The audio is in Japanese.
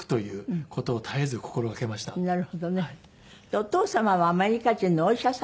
お父様はアメリカ人のお医者様？